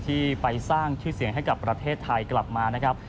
ที่ไปสร้างชื่อเสียงให้กับประเทศไทยกลับมานะครับ